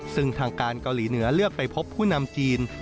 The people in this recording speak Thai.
ซึ่งทางการเกาหลีเหนือเลือกไปพบผู้นำจีน